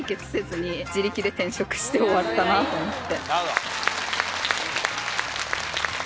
なと思って。